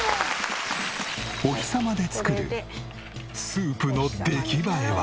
お日さまで作るスープの出来栄えは？